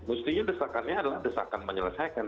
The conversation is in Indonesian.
mestinya desakannya adalah desakan menyelesaikan